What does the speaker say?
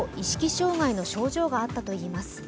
障害の症状があったといいます。